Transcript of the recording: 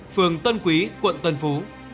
phường tân quý quận tân phú